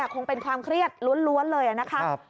คงเป็นความเครียดล้วนเลยนะครับ